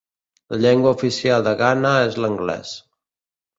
La llengua oficial de Ghana és l'anglès.